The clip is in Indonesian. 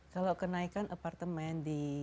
kalau kenaikan apartemen